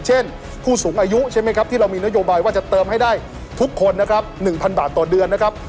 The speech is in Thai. เช่นผู้สูงอายุที่เรามีนโยบายว่าจะเติมให้ได้ทุกคน๑๐๐๐บาทต่อเดือน